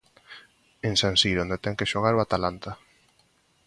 En San Siro, onde ten que xogar o Atalanta.